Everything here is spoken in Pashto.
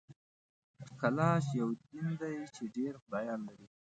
کلاش یو دین دی چي ډېر خدایان لري